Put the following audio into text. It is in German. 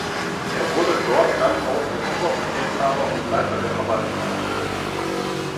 Er wurde dort dann auch als Oberbefehlshaber und Leiter der Verwaltung eingesetzt.